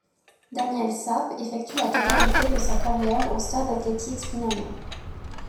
Daniel Sap effectue la totalité de sa carrière au Stade athlétique spinalien.